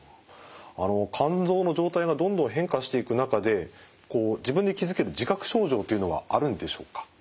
あの肝臓の状態がどんどん変化していく中でこう自分で気付ける自覚症状というのはあるんでしょうか？